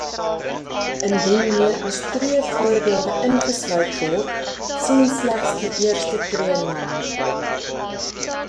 Indien meer as twee voorbeelde ingesluit word, sien slegs die eerste twee na.